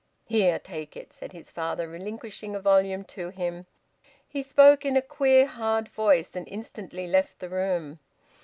"Here! Take it!" said his father, relinquishing a volume to him. He spoke in a queer, hard voice; and instantly left the room.